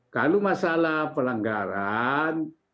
lalu masalah pelanggaran